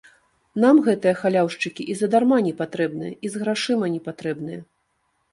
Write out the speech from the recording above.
Нам гэтыя халяўшчыкі і задарма непатрэбныя і з грашыма не патрэбныя.